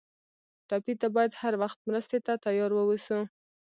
ټپي ته باید هر وخت مرستې ته تیار ووسو.